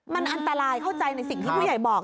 มันอันตรายเข้าใจในสิ่งที่ผู้ใหญ่บอก